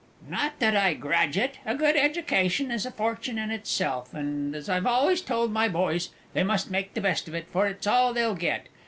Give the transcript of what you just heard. Not that I grudge it a good education is a fortune in itself, and as I've always told my boys, they must make the best of it, for it's all they'll get.